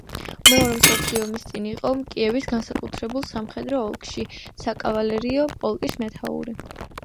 მეორე მსოფლიო ომის წინ იყო კიევის განსაკუთრებულ სამხედრო ოლქში საკავალერიო პოლკის მეთაური.